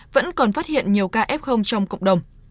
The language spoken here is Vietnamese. vẫn còn phát hiện nhiều ca f trong cộng đồng